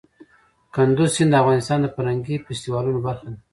کندز سیند د افغانستان د فرهنګي فستیوالونو برخه ده.